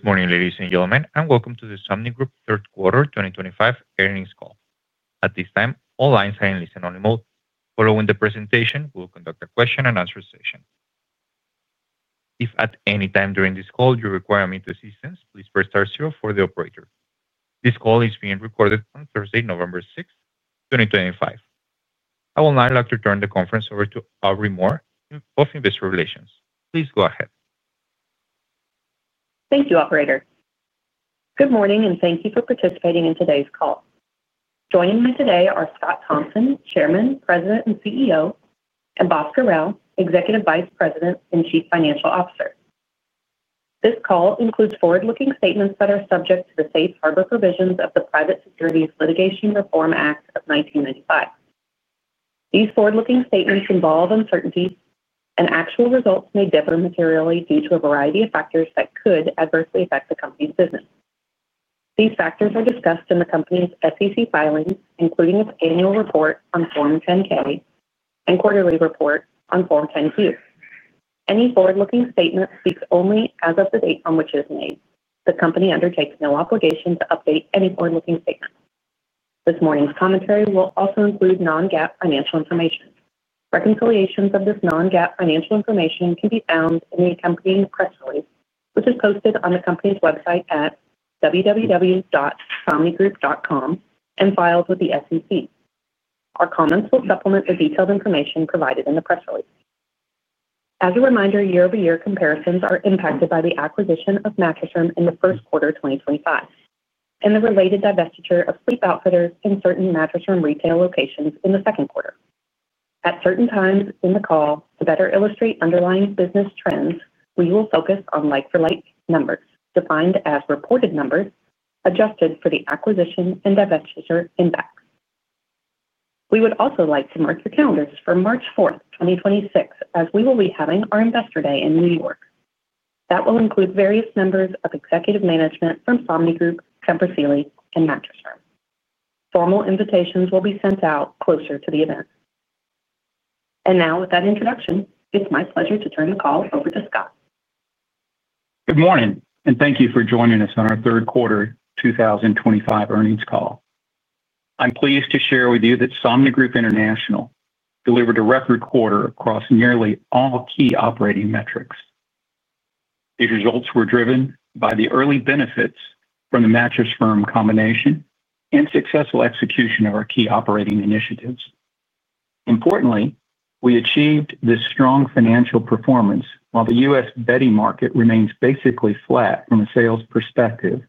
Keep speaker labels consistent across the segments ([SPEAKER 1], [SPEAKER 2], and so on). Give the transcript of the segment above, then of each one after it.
[SPEAKER 1] Good morning, ladies and gentlemen, and welcome to the Somnigroup third quarter 2025 earnings call. At this time, all lines are in listen-only mode. Following the presentation, we'll conduct a question-and-answer session. If at any time during this call you require operator assistance, please press star zero for the operator. This call is being recorded on Thursday, November 6th, 2025. I will now like to turn the conference over to Aubrey Moore of Investor Relations. Please go ahead.
[SPEAKER 2] Thank you, Operator. Good morning, and thank you for participating in today's call. Joining me today are Scott Thompson, Chairman, President, and CEO; and Bhaskar Rao, Executive Vice President and Chief Financial Officer. This call includes forward-looking statements that are subject to the safe harbor provisions of the Private Securities Litigation Reform Act of 1995. These forward-looking statements involve uncertainty, and actual results may differ materially due to a variety of factors that could adversely affect the company's business. These factors are discussed in the company's SEC filings, including its annual report on Form 10-K and quarterly report on Form 10-Q. Any forward-looking statement speaks only as of the date on which it is made. The company undertakes no obligation to update any forward-looking statements. This morning's commentary will also include non-GAAP financial information. Reconciliations of this non-GAAP financial information can be found in the accompanying press release, which is posted on the company's website at www.somnigroup.com and filed with the SEC. Our comments will supplement the detailed information provided in the press release. As a reminder, year-over-year comparisons are impacted by the acquisition of Mattress Firm in the first quarter 2025 and the related divestiture of Sleep Outfitters in certain Mattress Firm retail locations in the second quarter. At certain times in the call, to better illustrate underlying business trends, we will focus on like-for-like numbers defined as reported numbers adjusted for the acquisition and divestiture impacts. We would also like to mark your calendars for March 4, 2026, as we will be having our Investor Day in New York. That will include various members of executive management from Somnigroup, Tempur Sealy, and Mattress Firm. Formal invitations will be sent out closer to the event. With that introduction, it's my pleasure to turn the call over to Scott.
[SPEAKER 3] Good morning, and thank you for joining us on our third quarter 2025 earnings call. I'm pleased to share with you that Somnigroup International delivered a record quarter across nearly all key operating metrics. These results were driven by the early benefits from the Mattress Firm combination and successful execution of our key operating initiatives. Importantly, we achieved this strong financial performance while the U.S. bedding market remains basically flat from a sales perspective,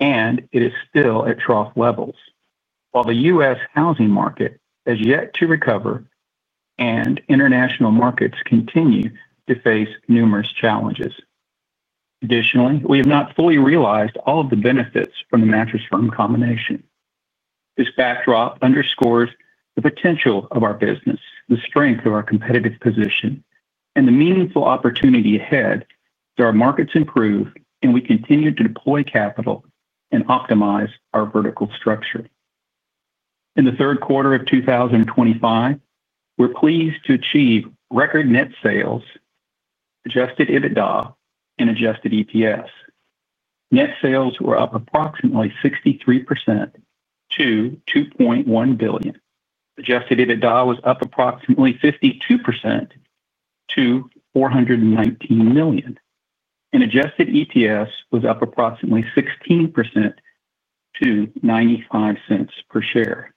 [SPEAKER 3] and it is still at trough levels, while the U.S. housing market has yet to recover, and international markets continue to face numerous challenges. Additionally, we have not fully realized all of the benefits from the Mattress Firm combination. This backdrop underscores the potential of our business, the strength of our competitive position, and the meaningful opportunity ahead as our markets improve and we continue to deploy capital and optimize our vertical structure. In the third quarter of 2025, we're pleased to achieve record net sales, adjusted EBITDA, and adjusted EPS. Net sales were up approximately 63% to $2.1 billion. Adjusted EBITDA was up approximately 52% to $419 million, and adjusted EPS was up approximately 16% to $0.95 per share.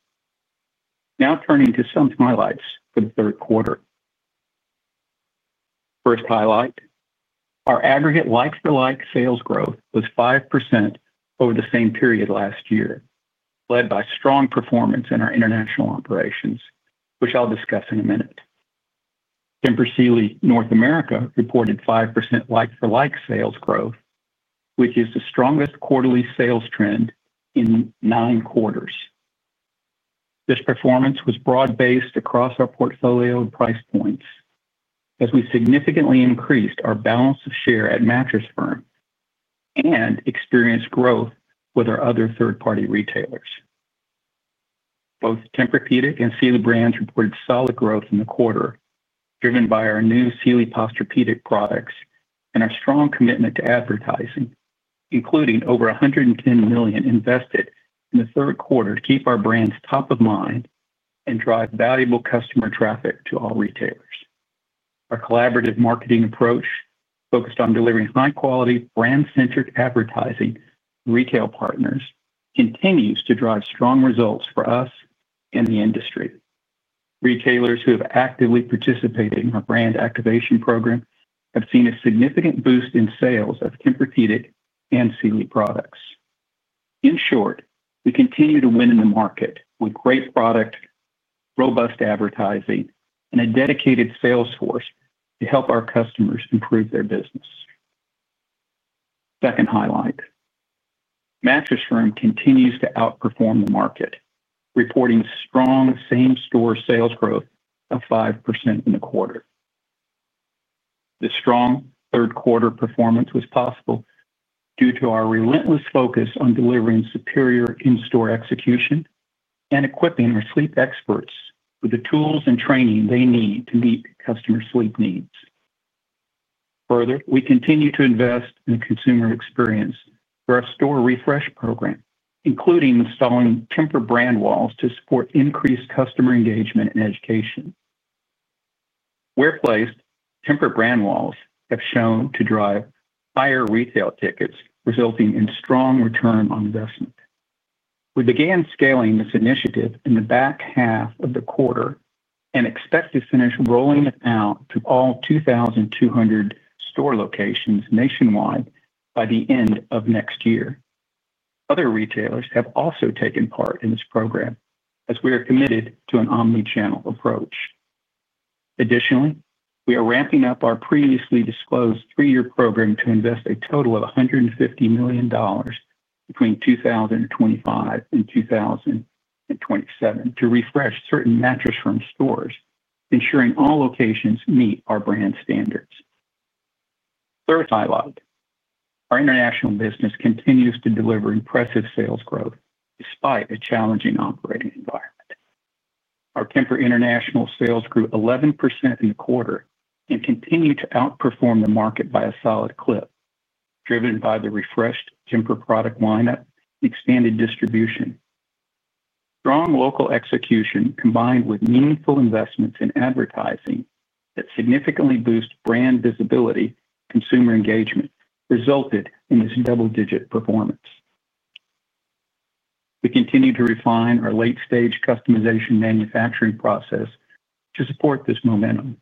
[SPEAKER 3] Now turning to some highlights for the third quarter. First highlight. Our aggregate like-for-like sales growth was 5% over the same period last year, led by strong performance in our international operations, which I'll discuss in a minute. Tempur Sealy North America reported 5% like-for-like sales growth, which is the strongest quarterly sales trend in nine quarters. This performance was broad-based across our portfolio and price points as we significantly increased our balance of share at Mattress Firm and experienced growth with our other third-party retailers. Both Tempur-Pedic and Sealy brands reported solid growth in the quarter, driven by our new Sealy Posturepedic products and our strong commitment to advertising, including over $110 million invested in the third quarter to keep our brands top of mind and drive valuable customer traffic to all retailers. Our collaborative marketing approach, focused on delivering high-quality, brand-centered advertising to retail partners, continues to drive strong results for us and the industry. Retailers who have actively participated in our brand activation program have seen a significant boost in sales of Tempur-Pedic and Sealy products. In short, we continue to win in the market with great product, robust advertising, and a dedicated sales force to help our customers improve their business. Second highlight. Mattress Firm continues to outperform the market, reporting strong same-store sales growth of 5% in the quarter. This strong third-quarter performance was possible due to our relentless focus on delivering superior in-store execution and equipping our sleep experts with the tools and training they need to meet customer sleep needs. Further, we continue to invest in the consumer experience for our store refresh program, including installing Tempur brand walls to support increased customer engagement and education. Where placed, Tempur brand walls have shown to drive higher retail tickets, resulting in strong return on investment. We began scaling this initiative in the back half of the quarter and expect to finish rolling it out to all 2,200 store locations nationwide by the end of next year. Other retailers have also taken part in this program as we are committed to an omnichannel approach. Additionally, we are ramping up our previously disclosed three-year program to invest a total of $150 million. Between 2025 and 2027 to refresh certain Mattress Firm stores, ensuring all locations meet our brand standards. Third highlight. Our international business continues to deliver impressive sales growth despite a challenging operating environment. Our Tempur International sales grew 11% in the quarter and continued to outperform the market by a solid clip, driven by the refreshed Tempur product lineup and expanded distribution. Strong local execution combined with meaningful investments in advertising that significantly boost brand visibility and consumer engagement resulted in this double-digit performance. We continue to refine our late-stage customization manufacturing process. To support this momentum.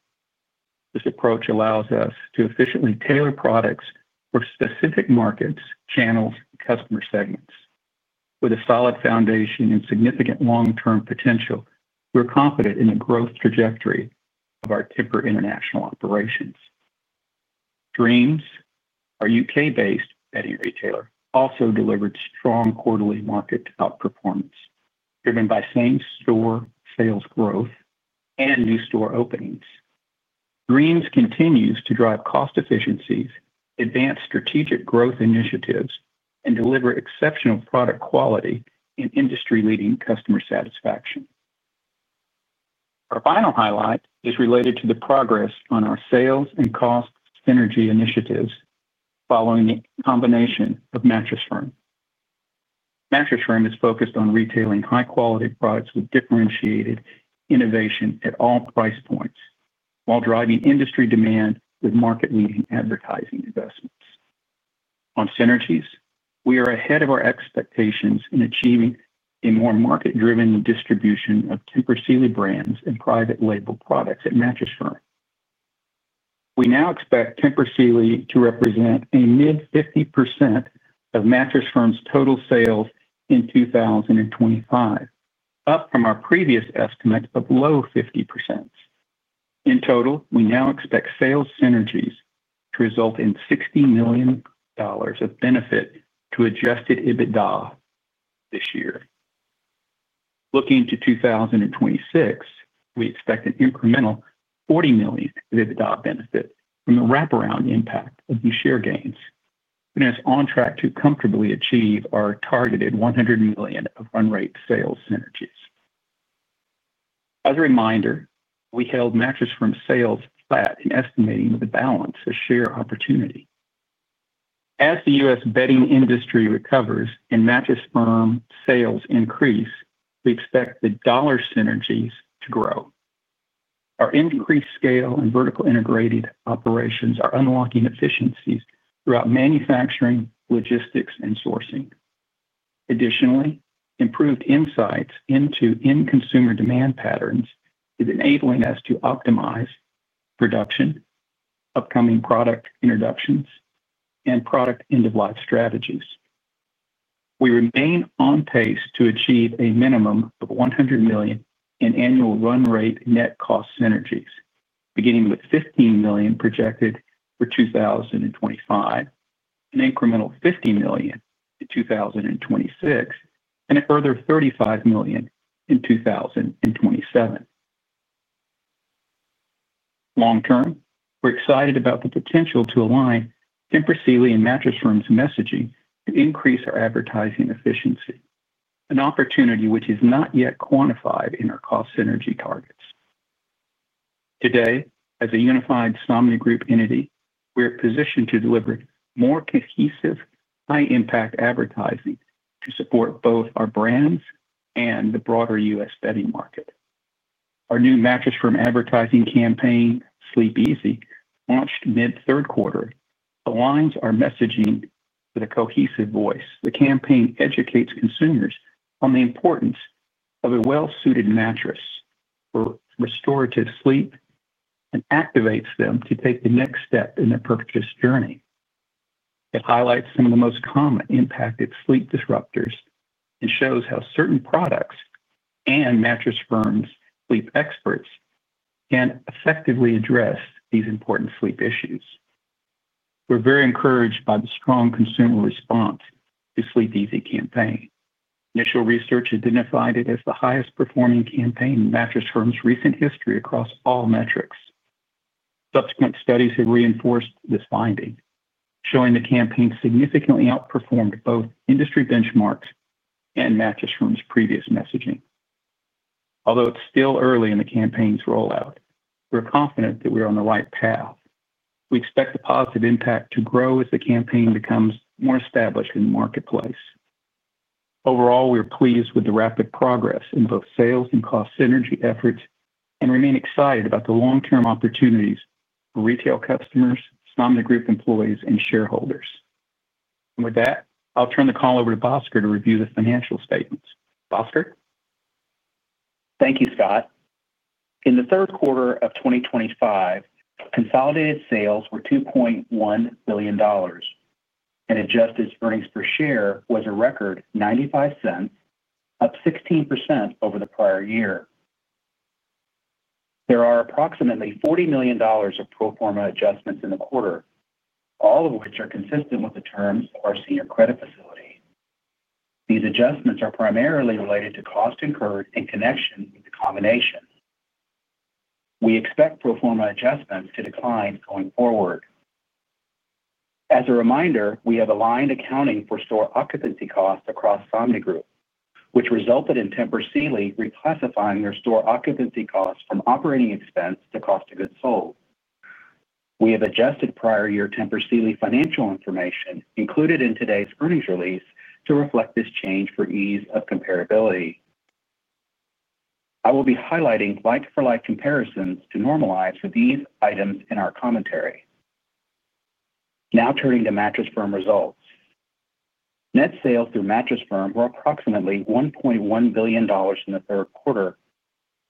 [SPEAKER 3] This approach allows us to efficiently tailor products for specific markets, channels, and customer segments. With a solid foundation and significant long-term potential, we're confident in the growth trajectory of our Tempur International operations. Dreams, our U.K.-based bedding retailer, also delivered strong quarterly market outperformance, driven by same-store sales growth and new store openings. Dreams continues to drive cost efficiencies, advance strategic growth initiatives, and deliver exceptional product quality and industry-leading customer satisfaction. Our final highlight is related to the progress on our sales and cost synergy initiatives following the combination of Mattress Firm. Mattress Firm is focused on retailing high-quality products with differentiated innovation at all price points while driving industry demand with market-leading advertising investments. On synergies, we are ahead of our expectations in achieving a more market-driven distribution of Tempur-Sealy brands and private-label products at Mattress Firm. We now expect Tempur-Sealy to represent a mid-50% of Mattress Firm's total sales in 2025, up from our previous estimate of low 50%. In total, we now expect sales synergies to result in $60 million of benefit to adjusted EBITDA this year. Looking to 2026, we expect an incremental $40 million of EBITDA benefit from the wraparound impact of these share gains. We're on track to comfortably achieve our targeted $100 million of run-rate sales synergies. As a reminder, we held Mattress Firm sales flat in estimating the balance of share opportunity. As the U.S. bedding industry recovers and Mattress Firm sales increase, we expect the dollar synergies to grow. Our increased scale and vertically integrated operations are unlocking efficiencies throughout manufacturing, logistics, and sourcing. Additionally, improved insights into in-consumer demand patterns is enabling us to optimize production, upcoming product introductions, and product end-of-life strategies. We remain on pace to achieve a minimum of $100 million in annual run-rate net cost synergies, beginning with $15 million projected for 2025, an incremental $50 million in 2026, and a further $35 million in 2027. Long-term, we're excited about the potential to align Tempur Sealy and Mattress Firm's messaging to increase our advertising efficiency, an opportunity which is not yet quantified in our cost synergy targets. Today, as a unified Somnigroup entity, we are positioned to deliver more cohesive, high-impact advertising to support both our brands and the broader U.S. bedding market. Our new Mattress Firm advertising campaign, Sleep Easy, launched mid-third quarter, aligns our messaging with a cohesive voice. The campaign educates consumers on the importance of a well-suited mattress for restorative sleep and activates them to take the next step in their purchase journey. It highlights some of the most common impacted sleep disruptors and shows how certain products and Mattress Firm's sleep experts can effectively address these important sleep issues. We're very encouraged by the strong consumer response to the Sleep Easy campaign. Initial research identified it as the highest-performing campaign in Mattress Firm's recent history across all metrics. Subsequent studies have reinforced this finding, showing the campaign significantly outperformed both industry benchmarks and Mattress Firm's previous messaging. Although it's still early in the campaign's rollout, we're confident that we're on the right path. We expect the positive impact to grow as the campaign becomes more established in the marketplace. Overall, we're pleased with the rapid progress in both sales and cost synergy efforts and remain excited about the long-term opportunities for retail customers, Somnigroup employees, and shareholders. I'll turn the call over to Bhaskar to review the financial statements. Bhaskar.
[SPEAKER 4] Thank you, Scott. In the third quarter of 2025. Consolidated sales were $2.1 billion. Adjusted earnings per share was a record $0.95, up 16% over the prior year. There are approximately $40 million of pro forma adjustments in the quarter, all of which are consistent with the terms of our senior credit facility. These adjustments are primarily related to costs incurred in connection with the combination. We expect pro forma adjustments to decline going forward. As a reminder, we have aligned accounting for store occupancy costs across Somnigroup, which resulted in Tempur Sealy reclassifying their store occupancy costs from operating expense to cost of goods sold. We have adjusted prior year Tempur Sealy financial information included in today's earnings release to reflect this change for ease of comparability. I will be highlighting like-for-like comparisons to normalize with these items in our commentary. Now turning to Mattress Firm results. Net sales through Mattress Firm were approximately $1.1 billion in the third quarter.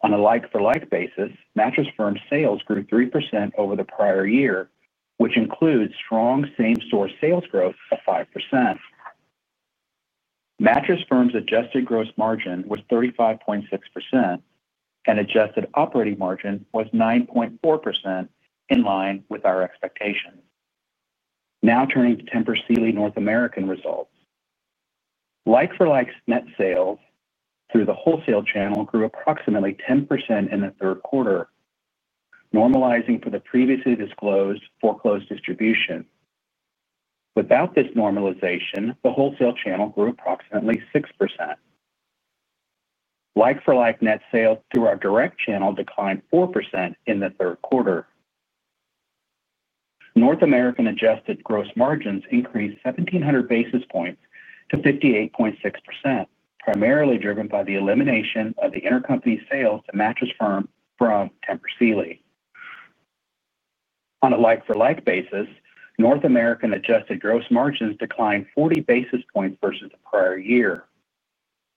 [SPEAKER 4] On a like-for-like basis, Mattress Firm's sales grew 3% over the prior year, which includes strong same-store sales growth of 5%. Mattress Firm's adjusted gross margin was 35.6%. Adjusted operating margin was 9.4%, in line with our expectations. Now turning to Tempur Sealy North American results. Like-for-like net sales through the wholesale channel grew approximately 10% in the third quarter, normalizing for the previously disclosed foreclosed distribution. Without this normalization, the wholesale channel grew approximately 6%. Like-for-like net sales through our direct channel declined 4% in the third quarter. North American adjusted gross margins increased 1,700 basis points to 58.6%, primarily driven by the elimination of the intercompany sales to Mattress Firm from Tempur Sealy. On a like-for-like basis, North American adjusted gross margins declined 40 basis points versus the prior year,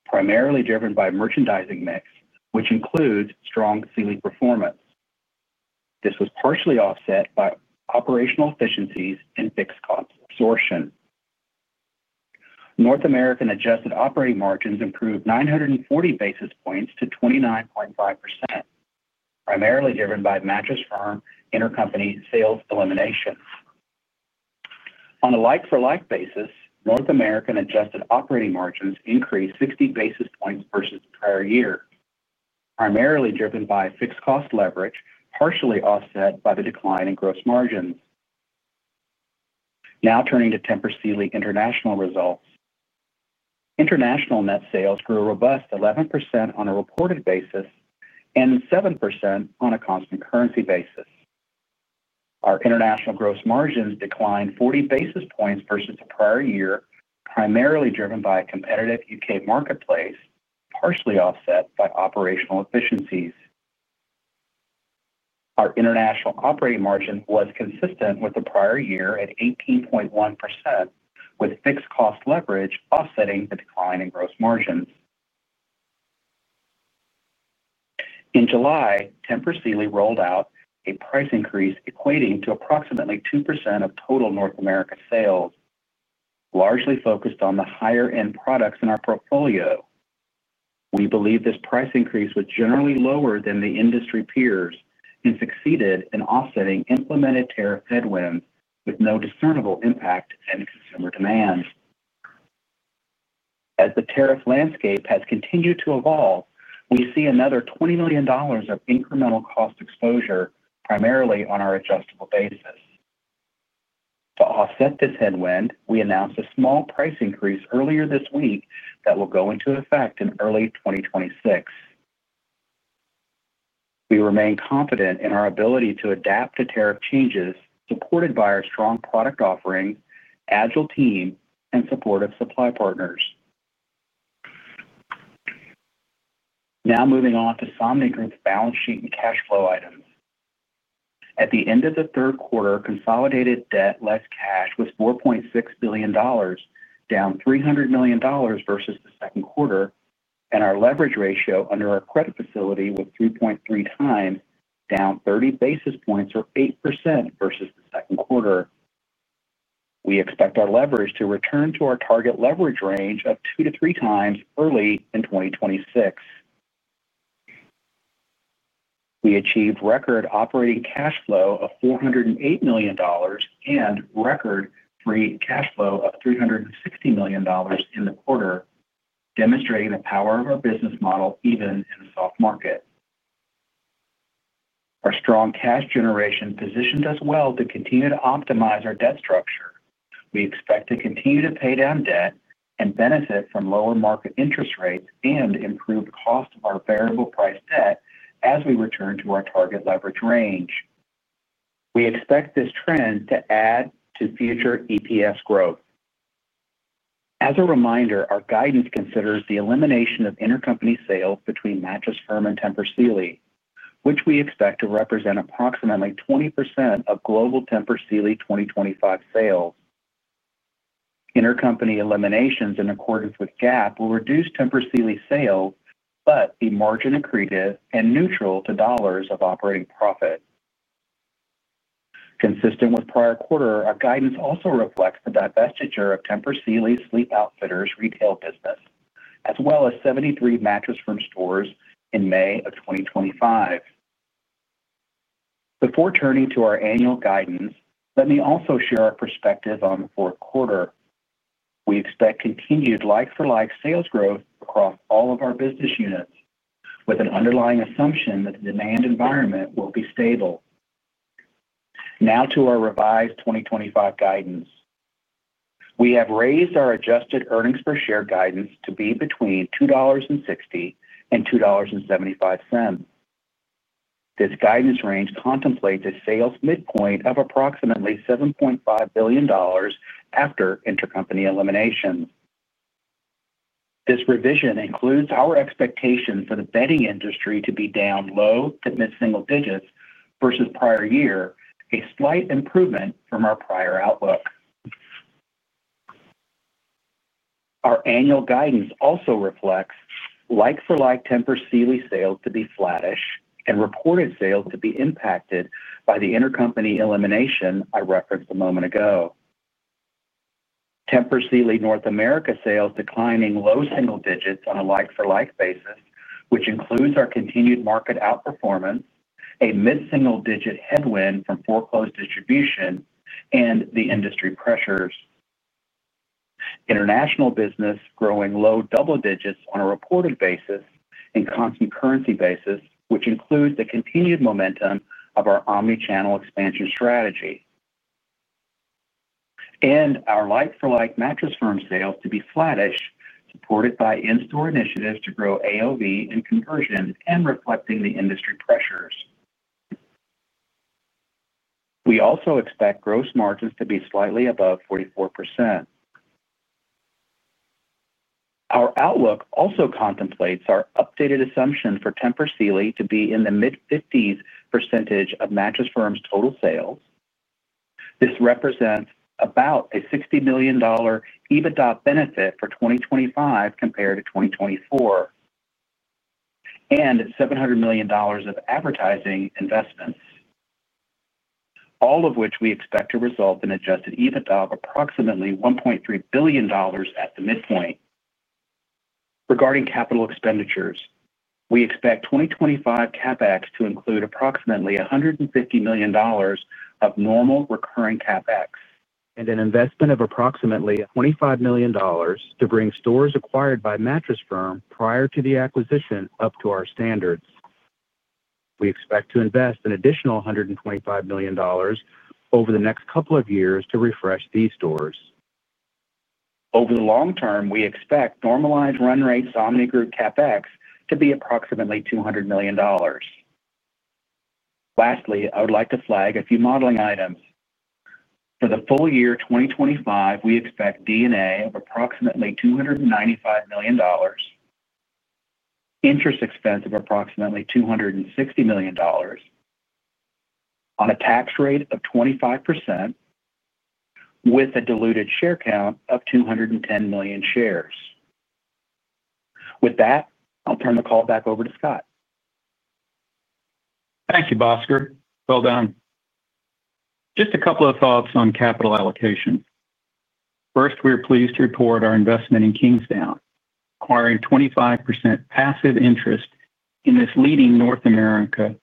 [SPEAKER 4] primarily driven by merchandising mix, which includes strong Sealy performance. This was partially offset by operational efficiencies and fixed cost absorption. North American adjusted operating margins improved 940 basis points to 29.5%, primarily driven by Mattress Firm intercompany sales elimination. On a like-for-like basis, North American adjusted operating margins increased 60 basis points versus the prior year, primarily driven by fixed cost leverage, partially offset by the decline in gross margins. Now turning to Tempur Sealy International results. International net sales grew a robust 11% on a reported basis and 7% on a constant currency basis. Our international gross margins declined 40 basis points versus the prior year, primarily driven by a competitive U.K. marketplace, partially offset by operational efficiencies. Our international operating margin was consistent with the prior year at 18.1%, with fixed cost leverage offsetting the decline in gross margins. In July, Tempur Sealy rolled out a price increase equating to approximately 2% of total North America sales. Largely focused on the higher-end products in our portfolio. We believe this price increase was generally lower than the industry peers and succeeded in offsetting implemented tariff headwinds with no discernible impact on consumer demand. As the tariff landscape has continued to evolve, we see another $20 million of incremental cost exposure, primarily on our adjustable basis. To offset this headwind, we announced a small price increase earlier this week that will go into effect in early 2026. We remain confident in our ability to adapt to tariff changes, supported by our strong product offerings, agile team, and supportive supply partners. Now moving on to Somnigroup's balance sheet and cash flow items. At the end of the third quarter, consolidated debt less cash was $4.6 billion, down $300 million versus the second quarter, and our leverage ratio under our credit facility was 3.3 times, down 30 basis points or 8% versus the second quarter. We expect our leverage to return to our target leverage range of 2-3 times early in 2026. We achieved record operating cash flow of $408 million and record free cash flow of $360 million in the quarter, demonstrating the power of our business model even in a soft market. Our strong cash generation positioned us well to continue to optimize our debt structure. We expect to continue to pay down debt and benefit from lower market interest rates and improved cost of our variable-priced debt as we return to our target leverage range. We expect this trend to add to future EPS growth. As a reminder, our guidance considers the elimination of intercompany sales between Mattress Firm and Tempur Sealy, which we expect to represent approximately 20% of global Tempur Sealy 2025 sales. Intercompany eliminations in accordance with GAAP will reduce Tempur Sealy sales, but be margin accretive and neutral to dollars of operating profit. Consistent with prior quarter, our guidance also reflects the divestiture of Tempur Sealy Sleep Outfitters retail business, as well as 73 Mattress Firm stores in May of 2025. Before turning to our annual guidance, let me also share our perspective on the fourth quarter. We expect continued like-for-like sales growth across all of our business units, with an underlying assumption that the demand environment will be stable. Now to our revised 2025 guidance. We have raised our adjusted earnings per share guidance to be between $2.60 and $2.75. This guidance range contemplates a sales midpoint of approximately $7.5 billion after intercompany eliminations. This revision includes our expectation for the bedding industry to be down low to mid-single digits versus prior year, a slight improvement from our prior outlook. Our annual guidance also reflects like-for-like Tempur Sealy sales to be flattish and reported sales to be impacted by the intercompany elimination I referenced a moment ago. Tempur Sealy North America sales declining low single digits on a like-for-like basis, which includes our continued market outperformance, a mid-single digit headwind from foreclosed distribution, and the industry pressures. International business growing low double digits on a reported basis and constant currency basis, which includes the continued momentum of our omnichannel expansion strategy. Our like-for-like Mattress Firm sales to be flattish, supported by in-store initiatives to grow AOV and conversion, and reflecting the industry pressures. We also expect gross margins to be slightly above 44%. Our outlook also contemplates our updated assumption for Tempur-Sealy to be in the mid-50% of Mattress Firm's total sales. This represents about a $60 million EBITDA benefit for 2025 compared to 2024. $700 million of advertising investments, all of which we expect to result in adjusted EBITDA of approximately $1.3 billion at the midpoint. Regarding capital expenditures, we expect 2025 CapEx to include approximately $150 million of normal recurring CapEx and an investment of approximately $25 million to bring stores acquired by Mattress Firm prior to the acquisition up to our standards. We expect to invest an additional $125 million over the next couple of years to refresh these stores. Over the long term, we expect normalized run rate Somnigroup CapEx to be approximately $200 million. Lastly, I would like to flag a few modeling items. For the full year 2025, we expect D&A of approximately $295 million, interest expense of approximately $260 million, on a tax rate of 25%, with a diluted share count of 210 million shares. With that, I'll turn the call back over to Scott.
[SPEAKER 3] Thank you, Bhaskar. Well done. Just a couple of thoughts on capital allocation. First, we are pleased to report our investment in Kingsdown, acquiring 25% passive interest in this leading North America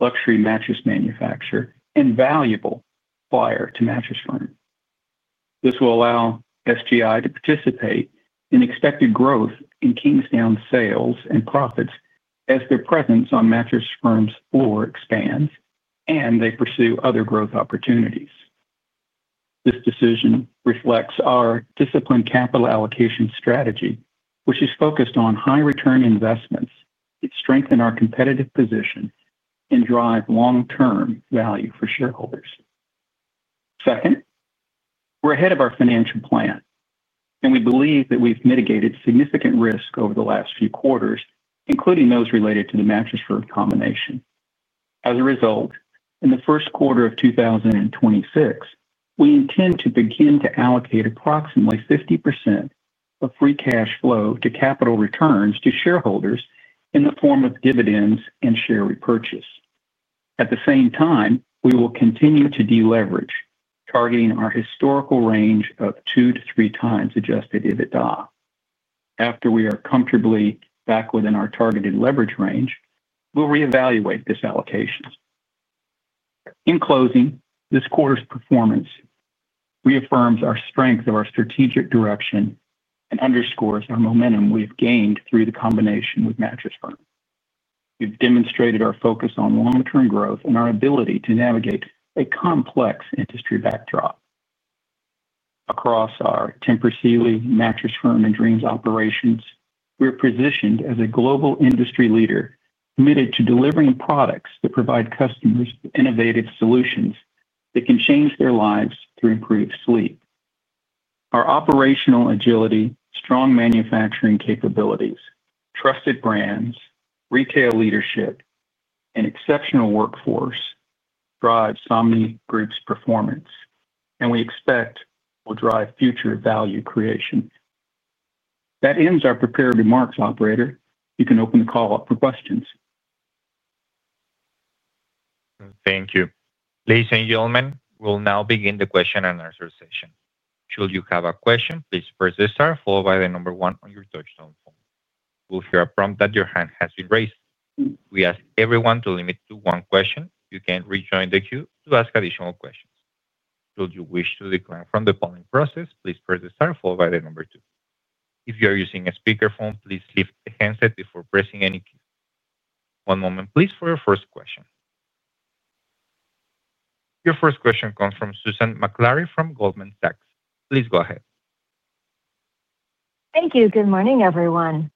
[SPEAKER 3] luxury mattress manufacturer and valuable supplier to Mattress Firm. This will allow Somnigroup to participate in expected growth in Kingsdown's sales and profits as their presence on Mattress Firm's floor expands and they pursue other growth opportunities. This decision reflects our disciplined capital allocation strategy, which is focused on high-return investments that strengthen our competitive position and drive long-term value for shareholders. Second, we're ahead of our financial plan, and we believe that we've mitigated significant risk over the last few quarters, including those related to the Mattress Firm combination. As a result, in the first quarter of 2026, we intend to begin to allocate approximately 50% of free cash flow to capital returns to shareholders in the form of dividends and share repurchase. At the same time, we will continue to deleverage, targeting our historical range of 2-3 times adjusted EBITDA. After we are comfortably back within our targeted leverage range, we'll reevaluate this allocation. In closing, this quarter's performance reaffirms our strength of our strategic direction and underscores our momentum we've gained through the combination with Mattress Firm. We've demonstrated our focus on long-term growth and our ability to navigate a complex industry backdrop. Across our Tempur Sealy, Mattress Firm, and Dreams operations, we're positioned as a global industry leader committed to delivering products that provide customers with innovative solutions that can change their lives through improved sleep. Our operational agility, strong manufacturing capabilities, trusted brands, retail leadership, and exceptional workforce drive Somnigroup's performance, and we expect will drive future value creation. That ends our prepared remarks, operator. You can open the call up for questions.
[SPEAKER 1] Thank you. Ladies and gentlemen, we'll now begin the question and answer session. Should you have a question, please press the star followed by the number one on your touch-tone phone. You'll hear a prompt that your hand has been raised. We ask everyone to limit to one question. You can rejoin the queue to ask additional questions. Should you wish to decline from the polling process, please press the star followed by the number two. If you are using a speakerphone, please lift the handset before pressing any key. One moment, please, for your first question. Your first question comes from Susan Maklari from Goldman Sachs. Please go ahead.
[SPEAKER 5] Thank you. Good morning, everyone.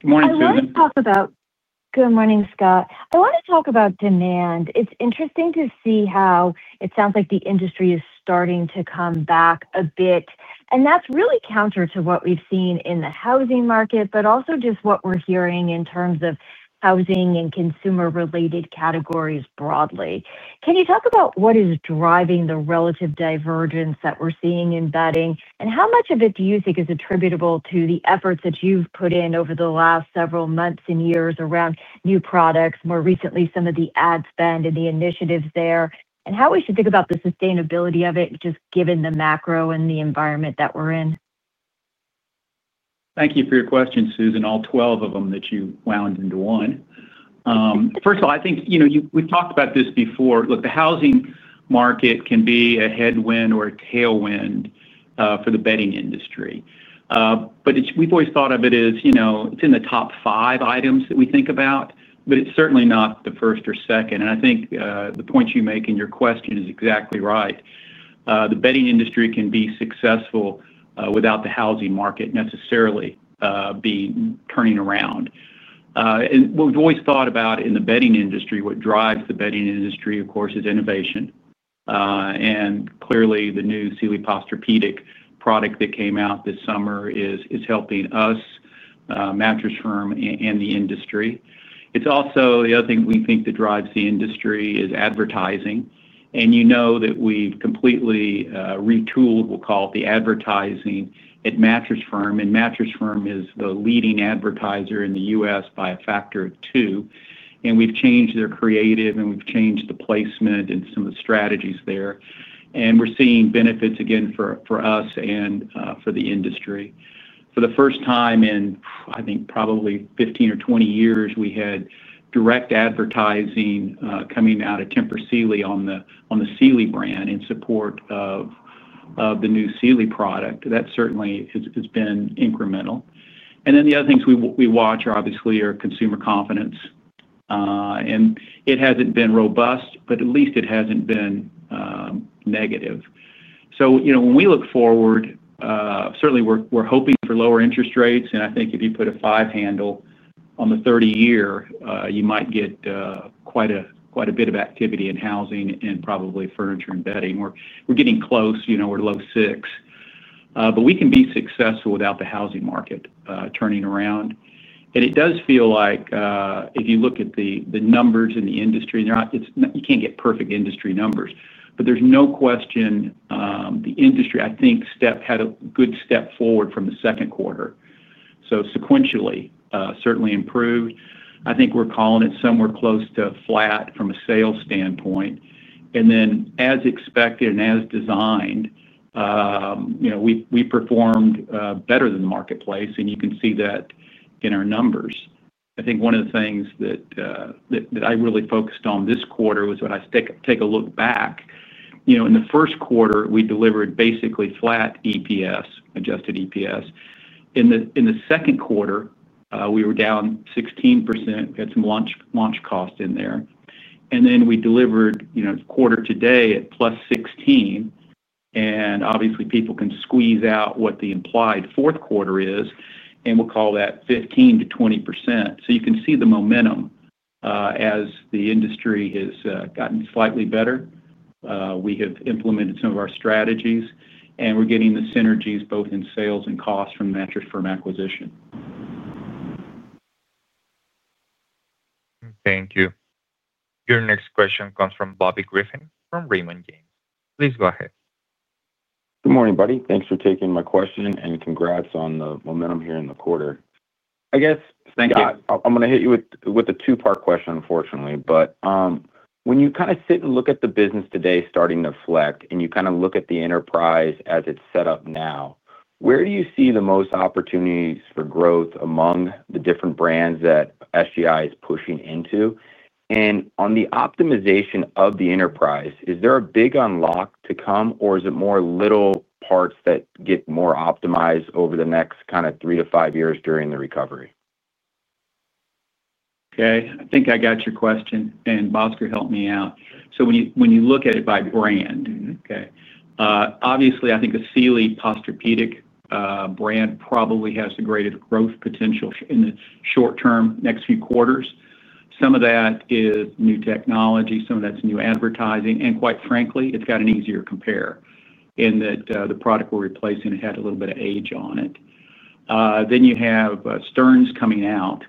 [SPEAKER 3] Good morning, Susan.
[SPEAKER 5] I want to talk about—good morning, Scott. I want to talk about demand. It's interesting to see how it sounds like the industry is starting to come back a bit. That is really counter to what we've seen in the housing market, but also just what we're hearing in terms of housing and consumer-related categories broadly. Can you talk about what is driving the relative divergence that we're seeing in bedding, and how much of it do you think is attributable to the efforts that you've put in over the last several months and years around new products, more recently some of the ad spend and the initiatives there, and how we should think about the sustainability of it, just given the macro and the environment that we're in?
[SPEAKER 3] Thank you for your question, Susan, all 12 of them that you wound into one. First of all, I think we've talked about this before. Look, the housing market can be a headwind or a tailwind for the bedding industry. We have always thought of it as it's in the top five items that we think about, but it's certainly not the first or second. I think the points you make in your question are exactly right. The bedding industry can be successful without the housing market necessarily turning around. We have always thought about in the bedding industry, what drives the bedding industry, of course, is innovation. Clearly, the new Sealy Posturepedic product that came out this summer is helping us, Mattress Firm, and the industry. It's also the other thing we think that drives the industry is advertising. You know that we have completely retooled, we will call it the advertising, at Mattress Firm. Mattress Firm is the leading advertiser in the US by a factor of two. We have changed their creative, and we have changed the placement and some of the strategies there. We are seeing benefits again for us and for the industry. For the first time in, I think, probably 15 or 20 years, we had direct advertising coming out of Tempur Sealy on the Sealy brand in support of the new Sealy product. That certainly has been incremental. The other things we watch are obviously our consumer confidence. It has not been robust, but at least it has not been negative. When we look forward, certainly, we are hoping for lower interest rates. I think if you put a five-handle on the 30-year, you might get quite a bit of activity in housing and probably furniture and bedding. We're getting close. We're low six. We can be successful without the housing market turning around. It does feel like if you look at the numbers in the industry, you can't get perfect industry numbers. There's no question the industry, I think, had a good step forward from the second quarter. Sequentially, certainly improved. I think we're calling it somewhere close to flat from a sales standpoint. As expected and as designed, we performed better than the marketplace. You can see that in our numbers. I think one of the things that I really focused on this quarter was when I take a look back. In the first quarter, we delivered basically flat EPS, adjusted EPS. In the second quarter, we were down 16%. We had some launch cost in there. Then we delivered quarter to date at plus 16%. Obviously, people can squeeze out what the implied fourth quarter is, and we'll call that 15%-20%. You can see the momentum as the industry has gotten slightly better. We have implemented some of our strategies, and we're getting the synergies both in sales and cost from the Mattress Firm acquisition.
[SPEAKER 1] Thank you. Your next question comes from Bobby Griffin from Raymond James. Please go ahead.
[SPEAKER 6] Good morning, buddy. Thanks for taking my question and congrats on the momentum here in the quarter, I guess.
[SPEAKER 3] Thank you.
[SPEAKER 6] I'm going to hit you with a two-part question, unfortunately. When you kind of sit and look at the business today starting to flect, and you kind of look at the enterprise as it's set up now, where do you see the most opportunities for growth among the different brands that SGI is pushing into? On the optimization of the enterprise, is there a big unlock to come, or is it more little parts that get more optimized over the next kind of three to five years during the recovery?
[SPEAKER 3] Okay. I think I got your question, and Bhaskar helped me out. When you look at it by brand, okay, obviously, I think the Sealy Posturepedic brand probably has the greatest growth potential in the short term, next few quarters. Some of that is new technology. Some of that's new advertising. Quite frankly, it's got an easier compare in that the product we're replacing had a little bit of age on it. You have Stearns coming out,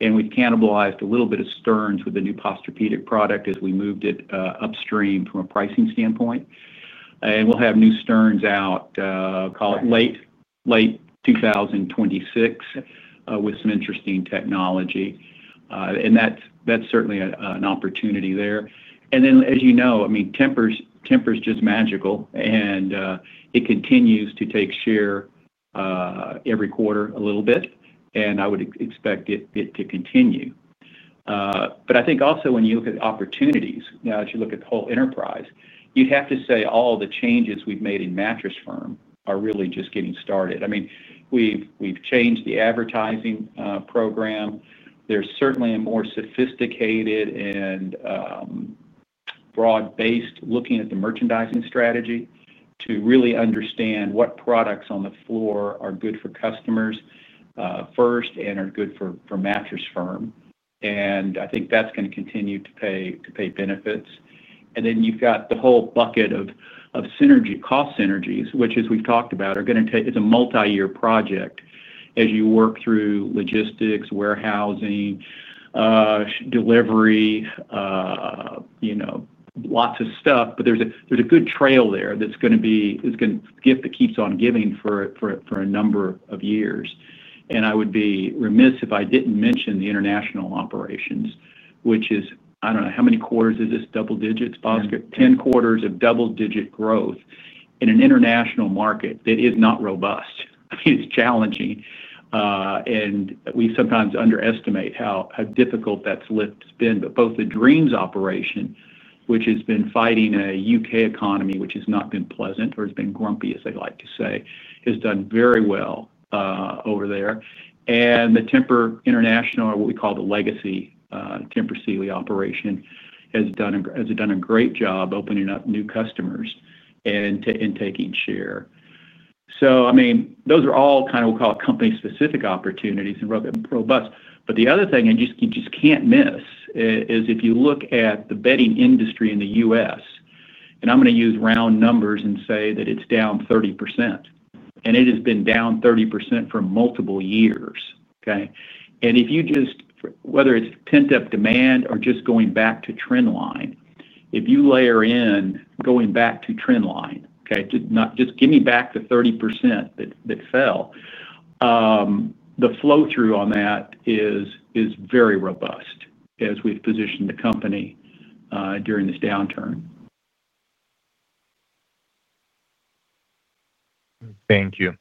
[SPEAKER 3] and we've cannibalized a little bit of Stearns with the new Posturepedic product as we moved it upstream from a pricing standpoint. We'll have new Stearns out, call it late 2026, with some interesting technology. That's certainly an opportunity there. As you know, I mean, Tempur's just magical, and it continues to take share. Every quarter a little bit. I would expect it to continue. I think also when you look at opportunities, now, as you look at the whole enterprise, you'd have to say all the changes we've made in Mattress Firm are really just getting started. I mean, we've changed the advertising program. There's certainly a more sophisticated and broad-based looking at the merchandising strategy to really understand what products on the floor are good for customers first and are good for Mattress Firm. I think that's going to continue to pay benefits. Then you've got the whole bucket of cost synergies, which, as we've talked about, are going to take—it's a multi-year project as you work through logistics, warehousing, delivery, lots of stuff. There's a good trail there that's going to be—it's going to give the keeps on giving for a number of years. I would be remiss if I didn't mention the international operations, which is—I don't know how many quarters is this double digits, Bhaskar? Yeah. Ten quarters of double-digit growth in an international market that is not robust. I mean, it's challenging. And we sometimes underestimate how difficult that lift's been. Both the Dreams operation, which has been fighting a U.K. economy, which has not been pleasant or has been grumpy, as they like to say, has done very well over there. The Tempur International, or what we call the legacy Tempur-Sealy operation, has done a great job opening up new customers and taking share. I mean, those are all kind of, we'll call it company-specific opportunities and robust. The other thing you just can't miss is if you look at the bedding industry in the U.S., and I'm going to use round numbers and say that it's down 30%. It has been down 30% for multiple years, okay? If you just—whether it's pent-up demand or just going back to trendline, if you layer in going back to trendline, okay, just give me back the 30% that fell. The flow-through on that is very robust as we've positioned the company during this downturn.
[SPEAKER 1] Thank you.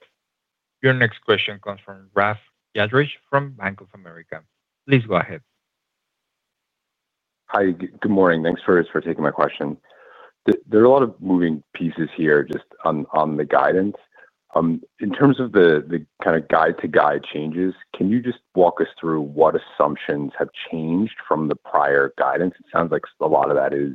[SPEAKER 1] Your next question comes from Rafe Jadrosich from Bank of America. Please go ahead.
[SPEAKER 7] Hi. Good morning. Thanks for taking my question. There are a lot of moving pieces here just on the guidance. In terms of the kind of guide-to-guide changes, can you just walk us through what assumptions have changed from the prior guidance? It sounds like a lot of that is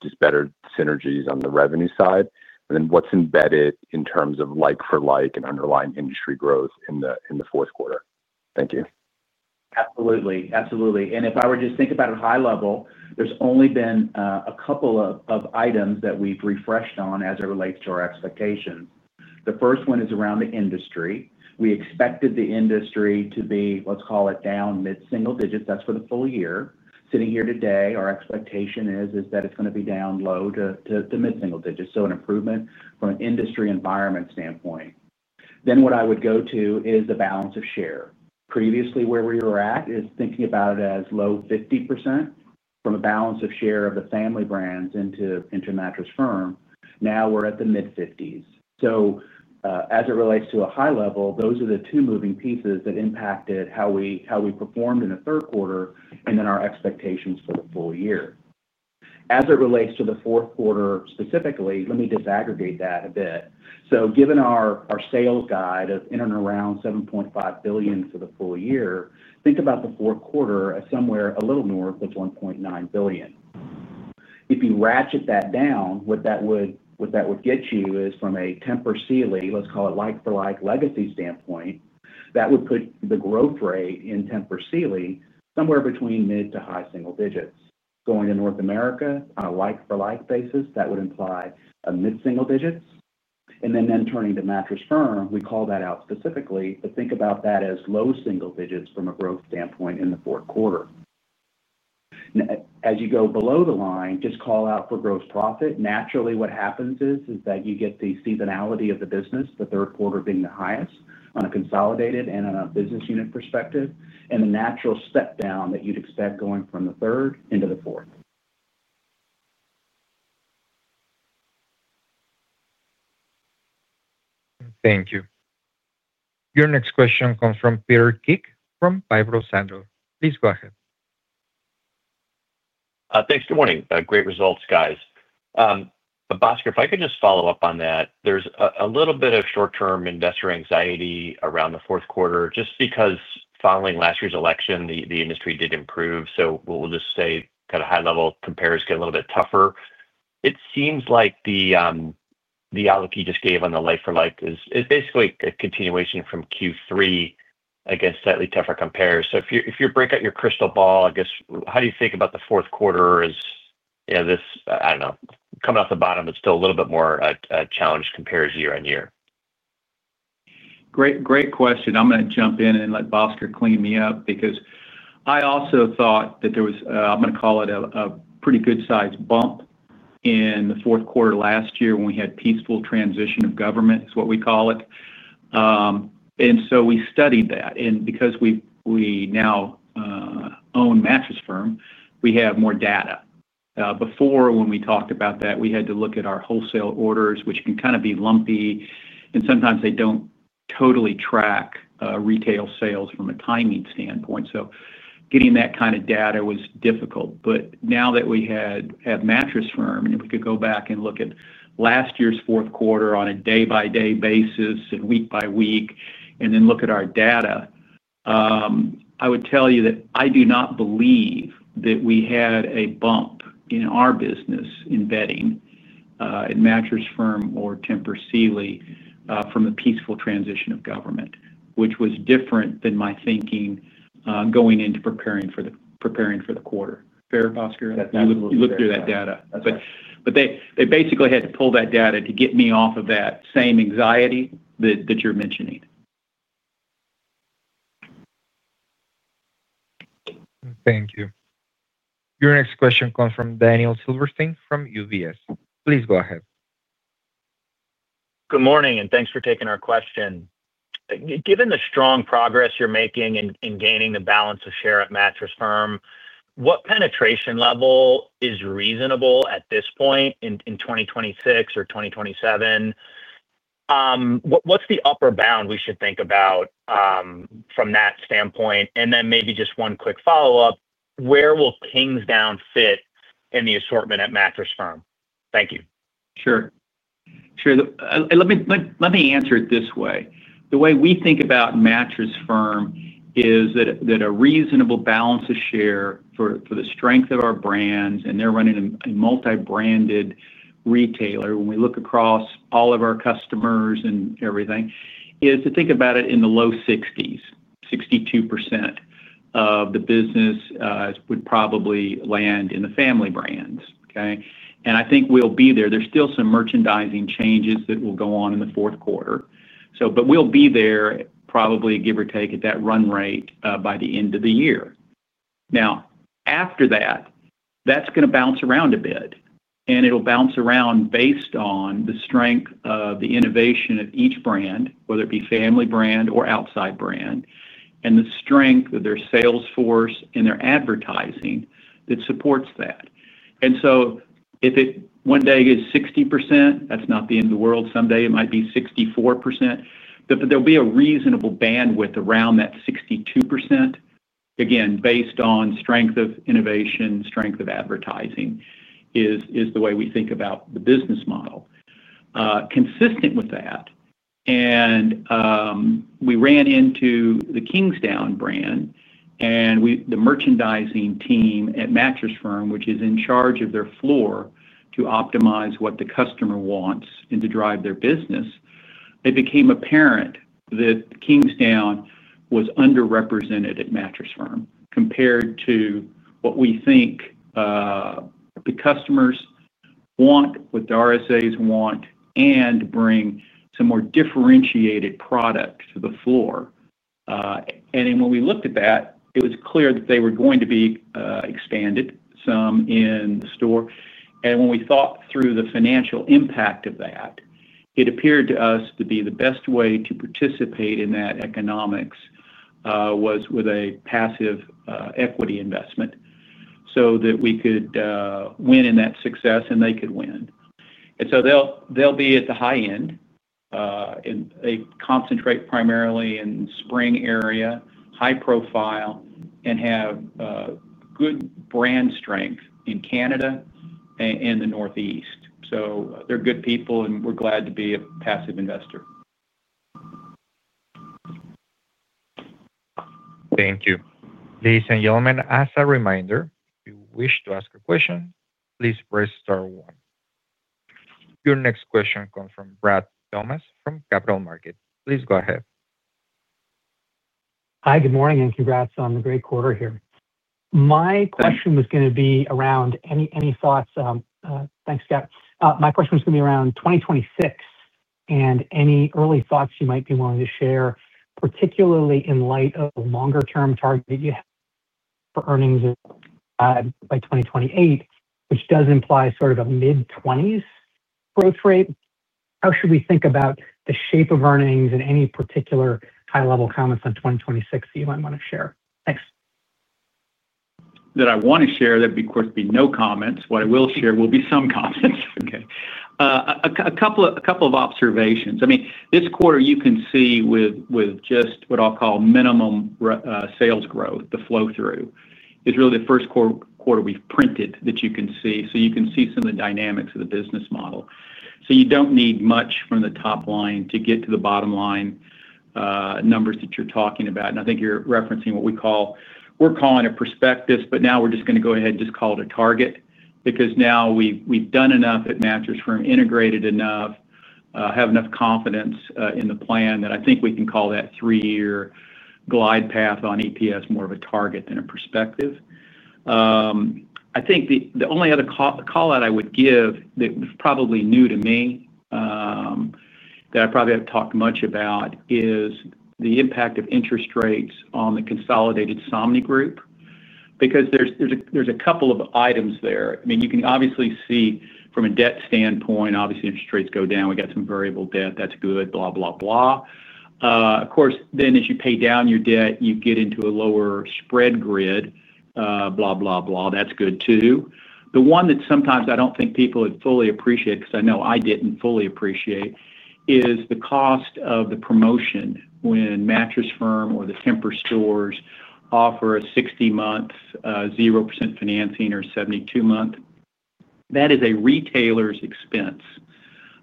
[SPEAKER 7] just better synergies on the revenue side. And then what's embedded in terms of like-for-like and underlying industry growth in the fourth quarter? Thank you.
[SPEAKER 3] Absolutely. Absolutely. If I were to just think about it high level, there's only been a couple of items that we've refreshed on as it relates to our expectations. The first one is around the industry. We expected the industry to be, let's call it, down mid-single digits. That's for the full year. Sitting here today, our expectation is that it's going to be down low to mid-single digits, so an improvement from an industry environment standpoint. What I would go to is the balance of share. Previously, where we were at is thinking about it as low 50% from a balance of share of the family brands into Mattress Firm. Now we're at the mid-50s. As it relates to a high level, those are the two moving pieces that impacted how we performed in the third quarter and our expectations for the full year. As it relates to the fourth quarter specifically, let me disaggregate that a bit. Given our sales guide of in and around $7.5 billion for the full year, think about the fourth quarter as somewhere a little north of $1.9 billion. If you ratchet that down, what that would get you is from a Tempur Sealy, let's call it like-for-like legacy standpoint, that would put the growth rate in Tempur Sealy somewhere between mid to high single digits. Going to North America, on a like-for-like basis, that would imply a mid-single digits. Turning to Mattress Firm, we call that out specifically, but think about that as low single digits from a growth standpoint in the fourth quarter. As you go below the line, just call out for gross profit. Naturally, what happens is that you get the seasonality of the business, the third quarter being the highest on a consolidated and on a business unit perspective, and the natural step down that you'd expect going from the third into the fourth.
[SPEAKER 1] Thank you. Your next question comes from Peter Keith from Piper Sandler. Please go ahead.
[SPEAKER 8] Thanks. Good morning. Great results, guys. Bhaskar, if I could just follow up on that, there's a little bit of short-term investor anxiety around the fourth quarter just because following last year's election, the industry did improve. High-level compares get a little bit tougher. It seems like the analogy you just gave on the like-for-like is basically a continuation from Q3 against slightly tougher compares. If you break out your crystal ball, I guess, how do you think about the fourth quarter as this, I don't know, coming off the bottom, but still a little bit more challenged compares year on year?
[SPEAKER 3] Great question. I'm going to jump in and let Bhaskar clean me up because I also thought that there was, I'm going to call it a pretty good-sized bump in the fourth quarter last year when we had peaceful transition of government, is what we call it. I studied that. Because we now own Mattress Firm, we have more data. Before, when we talked about that, we had to look at our wholesale orders, which can kind of be lumpy, and sometimes they do not totally track retail sales from a timing standpoint. Getting that kind of data was difficult. Now that we have Mattress Firm, and if we could go back and look at last year's fourth quarter on a day-by-day basis and week-by-week and then look at our data, I would tell you that I do not believe that we had a bump in our business in bedding. At Mattress Firm or Tempur Sealy from the peaceful transition of government, which was different than my thinking going into preparing for the quarter. Fair, Bhaskar?
[SPEAKER 4] That's absolutely right. You looked through that data. They basically had to pull that data to get me off of that same anxiety that you're mentioning.
[SPEAKER 1] Thank you. Your next question comes from Daniel Silverstein from UBS. Please go ahead.
[SPEAKER 9] Good morning, and thanks for taking our question. Given the strong progress you're making in gaining the balance of share at Mattress Firm, what penetration level is reasonable at this point in 2026 or 2027? What's the upper bound we should think about from that standpoint? And then maybe just one quick follow-up, where will Kingsdown fit in the assortment at Mattress Firm? Thank you.
[SPEAKER 3] Sure. Sure. Let me answer it this way. The way we think about Mattress Firm is that a reasonable balance of share for the strength of our brands—and they're running a multi-branded retailer when we look across all of our customers and everything—is to think about it in the low 60s, 62% of the business. Would probably land in the family brands, okay? I think we'll be there. There's still some merchandising changes that will go on in the fourth quarter. We'll be there, probably give or take at that run rate by the end of the year. Now, after that, that's going to bounce around a bit. It'll bounce around based on the strength of the innovation of each brand, whether it be family brand or outside brand, and the strength of their sales force and their advertising that supports that. If it one day is 60%, that's not the end of the world. Someday it might be 64%. There'll be a reasonable bandwidth around that 62%, again, based on strength of innovation, strength of advertising. Is the way we think about the business model. Consistent with that. We ran into the Kingsdown brand and the merchandising team at Mattress Firm, which is in charge of their floor to optimize what the customer wants and to drive their business. It became apparent that Kingsdown was underrepresented at Mattress Firm compared to what we think the customers want, what the RSAs want, and bring some more differentiated product to the floor. When we looked at that, it was clear that they were going to be expanded some in the store. When we thought through the financial impact of that, it appeared to us to be the best way to participate in that economics was with a passive equity investment so that we could win in that success and they could win. They will be at the high end, and they concentrate primarily in the spring area, high profile, and have good brand strength in Canada and the Northeast. They are good people, and we are glad to be a passive investor.
[SPEAKER 1] Thank you. Ladies and gentlemen, as a reminder, if you wish to ask a question, please press star one. Your next question comes from Brad Thomas from Capital Markets. Please go ahead.
[SPEAKER 10] Hi. Good morning and congrats on the great quarter here. My question was going to be around any thoughts, thanks, Scott, my question was going to be around 2026 and any early thoughts you might be willing to share, particularly in light of the longer-term target you have for earnings. By 2028, which does imply sort of a mid-20s growth rate. How should we think about the shape of earnings and any particular high-level comments on 2026 that you might want to share? Thanks.
[SPEAKER 3] That I want to share, there'd be no comments. What I will share will be some comments. Okay. A couple of observations. I mean, this quarter, you can see with just what I'll call minimum sales growth, the flow-through is really the first quarter we've printed that you can see. You can see some of the dynamics of the business model. You don't need much from the top line to get to the bottom line. Numbers that you're talking about. I think you're referencing what we call—we're calling it prospectus, but now we're just going to go ahead and just call it a target because now we've done enough at Mattress Firm, integrated enough, have enough confidence in the plan that I think we can call that three-year glide path on EPS more of a target than a prospectus. I think the only other callout I would give that was probably new to me, that I probably haven't talked much about, is the impact of interest rates on the consolidated Somnigroup because there's a couple of items there. I mean, you can obviously see from a debt standpoint, obviously, interest rates go down, we got some variable debt, that's good, blah, blah, blah. Of course, then as you pay down your debt, you get into a lower spread grid, blah, blah, blah, that's good too. The one that sometimes I don't think people would fully appreciate, because I know I didn't fully appreciate, is the cost of the promotion when Mattress Firm or the Tempur stores offer a 60-month 0% financing or 72-month. That is a retailer's expense,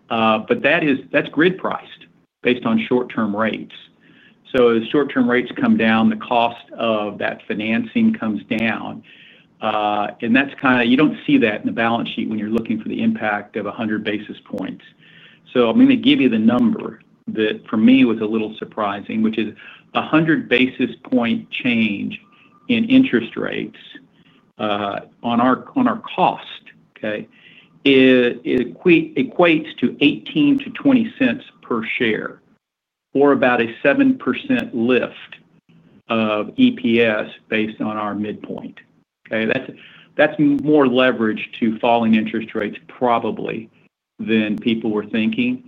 [SPEAKER 3] but that's grid-priced based on short-term rates. As short-term rates come down, the cost of that financing comes down. That is kind of—you do not see that in the balance sheet when you are looking for the impact of 100 basis points. I am going to give you the number that, for me, was a little surprising, which is 100 basis point change in interest rates on our cost, okay, equates to $0.18-$0.20 per share or about a 7% lift of EPS based on our midpoint, okay? That is more leverage to falling interest rates probably than people were thinking.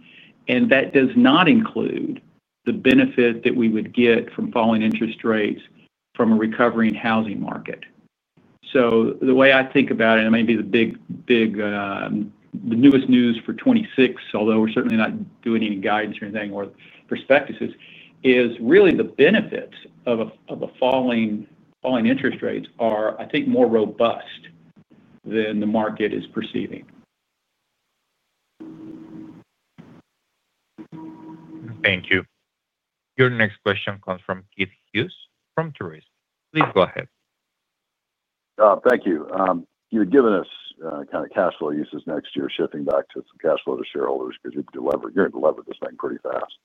[SPEAKER 3] That does not include the benefit that we would get from falling interest rates from a recovering housing market. The way I think about it, and it may be the big newest news for 2026, although we are certainly not doing any guidance or anything or prospectuses, is really the benefits of falling interest rates are, I think, more robust than the market is perceiving.
[SPEAKER 1] Thank you. Your next question comes from Keith Hughes from Truist. Please go ahead.
[SPEAKER 11] Thank you. You had given us kind of cash flow uses next year, shifting back to some cash flow to shareholders because you're going to deliver this thing pretty fast.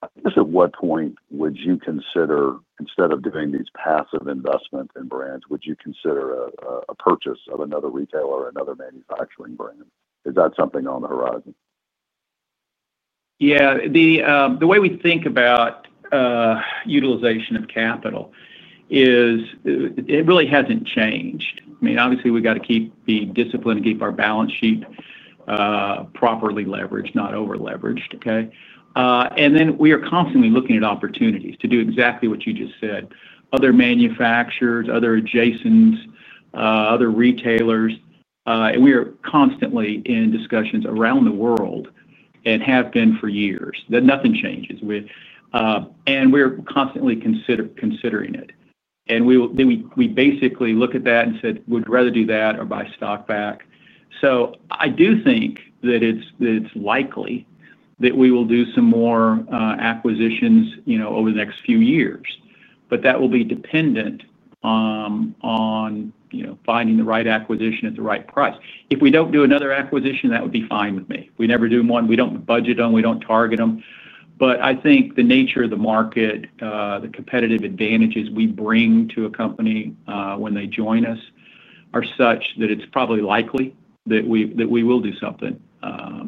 [SPEAKER 11] I guess at what point would you consider, instead of doing these passive investments in brands, would you consider a purchase of another retailer or another manufacturing brand? Is that something on the horizon?
[SPEAKER 3] Yeah. The way we think about utilization of capital, it really hasn't changed. I mean, obviously, we've got to keep being disciplined and keep our balance sheet properly leveraged, not over-leveraged, okay? We are constantly looking at opportunities to do exactly what you just said: other manufacturers, other adjacents, other retailers. We are constantly in discussions around the world and have been for years. Nothing changes. We're constantly considering it. We basically look at that and said, "We'd rather do that or buy stock back." I do think that it's likely that we will do some more acquisitions over the next few years. That will be dependent on finding the right acquisition at the right price. If we don't do another acquisition, that would be fine with me. If we never do one, we don't budget on them. We don't target them. I think the nature of the market, the competitive advantages we bring to a company when they join us are such that it's probably likely that we will do something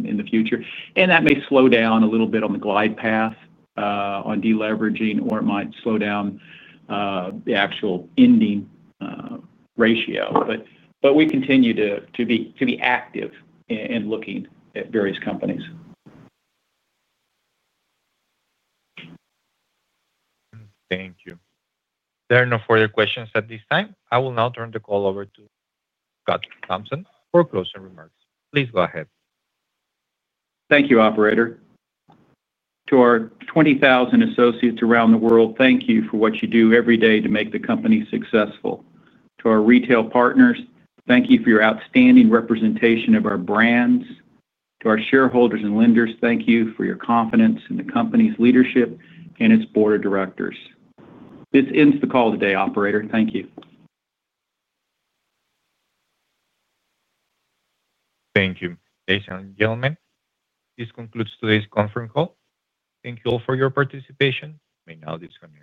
[SPEAKER 3] in the future. That may slow down a little bit on the glide path on deleveraging, or it might slow down the actual ending ratio. We continue to be active in looking at various companies.
[SPEAKER 1] Thank you. There are no further questions at this time. I will now turn the call over to Scott Thompson for closing remarks. Please go ahead.
[SPEAKER 3] Thank you, Operator. To our 20,000 associates around the world, thank you for what you do every day to make the company successful. To our retail partners, thank you for your outstanding representation of our brands. To our shareholders and lenders, thank you for your confidence in the company's leadership and its board of directors. This ends the call today, Operator. Thank you.
[SPEAKER 1] Thank you, Ladies and gentlemen. This concludes today's conference call. Thank you all for your participation. I mean, now this con.